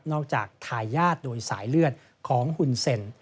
นอกจากทายญาติโดยสายเลือดของฮุนเซ็นต์